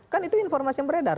kan itu informasi yang beredar